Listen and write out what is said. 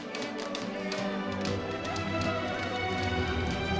jangan lupa bangun